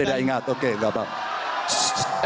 oh tidak ingat oke enggak apa apa